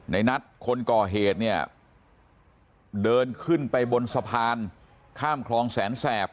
ในนัดคนก่อเหตุเนี่ยเดินขึ้นไปบนสะพานข้ามคลองแสนแสบ